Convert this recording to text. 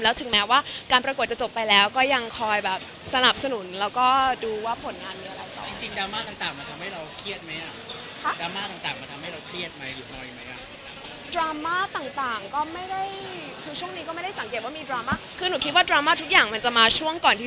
ถึงแม้ว่าการประกวดจะจบไปแล้วก็ยังคอยแบบสนับสนุนแล้วก็ดูว่าผลงานมีอะไรต่อจริง